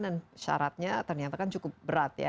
dan syaratnya ternyata kan cukup berat ya